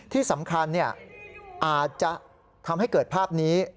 ที่สำคัญอาจจะทำให้เกิดภาพนี้